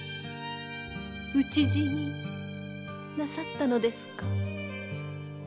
討ち死になさったのですか？